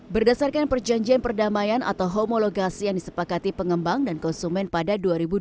berdasarkan perjanjian perdamaian atau homologasi yang disepakati pengembang dan konsumen pada dua ribu dua puluh